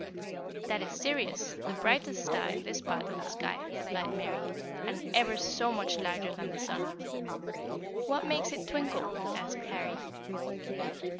"That is Sirius, the brightest star in this part of the sky," replied Mary, "and ever so much larger than the sun." "What makes it twinkle?" asked Harry.